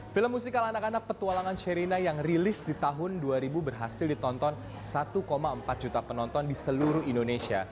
film musikal anak anak petualangan sherina yang rilis di tahun dua ribu berhasil ditonton satu empat juta penonton di seluruh indonesia